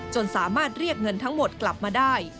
สามารถเรียกเงินทั้งหมดกลับมาได้